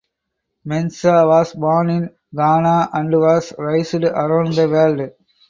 Mensah was born in Ghana and was raised around the world.